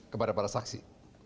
kepada para saksi